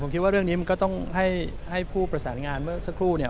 ผมคิดว่าเรื่องนี้มันก็ต้องให้ผู้ประสานงานเมื่อสักครู่เนี่ย